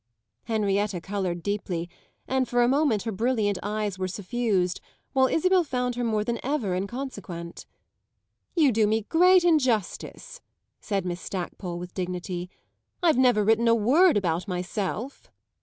Henrietta coloured deeply, and for a moment her brilliant eyes were suffused, while Isabel found her more than ever inconsequent. "You do me great injustice," said Miss Stackpole with dignity. "I've never written a word about myself!"